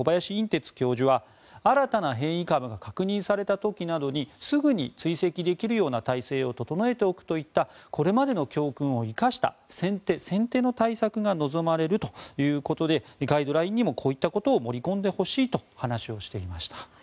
てつ教授は新たな変異株が確認された時などにすぐに追跡できるような体制を整えておくといったこれまでの教訓を生かした先手先手の対策が望まれるということでガイドラインにもこういったことを盛り込んでほしいと話をしていました。